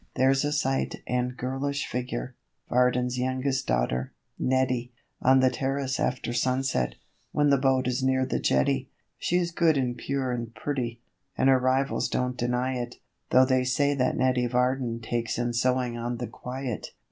There's a slight and girlish figure Varden's youngest daughter, Nettie On the terrace after sunset, when the boat is near the jetty; She is good and pure and pretty, and her rivals don't deny it, Though they say that Nettie Varden takes in sewing on the quiet.